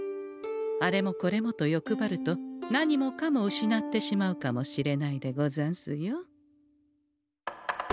あれもこれもとよくばると何もかも失ってしまうかもしれないでござんすよ。